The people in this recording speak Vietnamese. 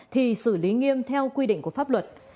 thì xử lý nghiêm theo quy định của pháp luật